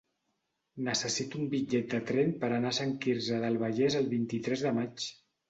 Necessito un bitllet de tren per anar a Sant Quirze del Vallès el vint-i-tres de maig.